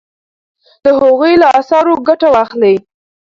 د هغوی له اثارو ګټه واخلئ.